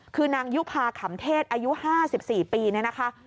คือนางยุภาขำเทศอายุ๕๔ปีเนี่ยนะคะ